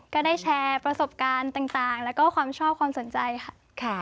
ก็ได้แชร์ประสบการณ์ต่างแล้วก็ความชอบความสนใจค่ะ